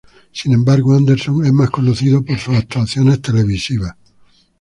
Sin embargo, Anderson es más conocido por sus actuaciones televisivas.